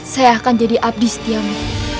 saya akan jadi abdi setiawan